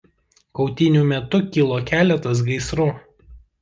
Kautynių metu kilo keletas gaisrų.